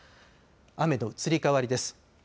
雨の移り変わりです。